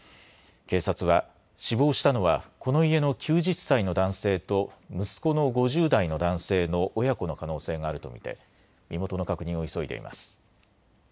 警察は死亡したのはこの家の９０歳の男性と息子の５０代の男性の親子の可能性があると見て身元の確認を急いでいます。